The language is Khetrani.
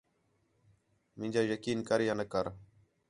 مینجا یقین کر یا نہ کر